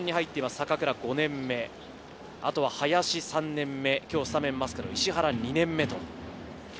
坂倉が５年目、あとは林が３年目、スタメンマスクの石原、２年目。